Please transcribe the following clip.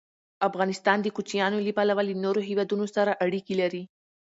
افغانستان د کوچیانو له پلوه له نورو هېوادونو سره اړیکې لري.